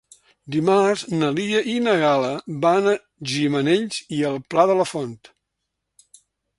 Dimarts na Lia i na Gal·la van a Gimenells i el Pla de la Font.